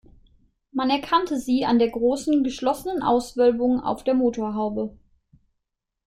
Man erkannte sie an der großen, geschlossenen Auswölbung auf der Motorhaube.